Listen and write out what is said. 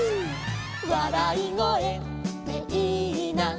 「わらいごえっていいな」